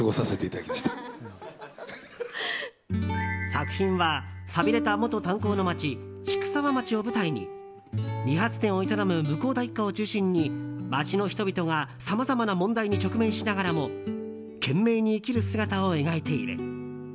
作品は寂れた元炭鉱の町筑沢町を舞台に理髪店を営む向田一家を中心に町の人々がさまざまな問題に直面しながらも懸命に生きる姿を描いている。